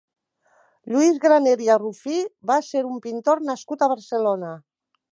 Lluís Graner i Arrufí va ser un pintor nascut a Barcelona.